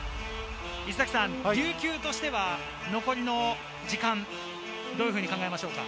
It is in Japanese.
琉球としては残りの時間、どういうふうに考えましょうか？